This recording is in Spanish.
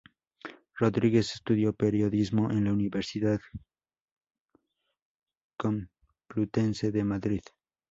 Rodríguez estudió periodismo en la Universidad Complutense de Madrid.